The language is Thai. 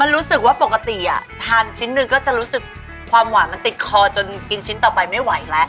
รู้สึกว่าปกติทานชิ้นหนึ่งก็จะรู้สึกความหวานมันติดคอจนกินชิ้นต่อไปไม่ไหวแล้ว